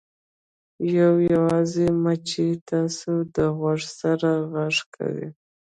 یو یوازې مچۍ ستاسو د غوږ سره غږ کوي